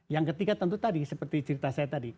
yang ketiga tentu tadi seperti cerita saya tadi